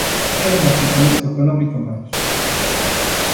E un apuntamento económico máis.